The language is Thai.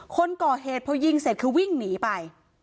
คนก่อเหตุพอยิงเสร็จคือวิ่งหนีไป